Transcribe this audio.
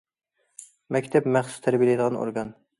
مەكتەپ مەخسۇس تەربىيەلەيدىغان ئورگان.